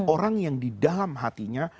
orang yang di dalam hatinya